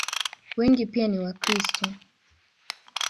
Wengi pia ni Wakristo.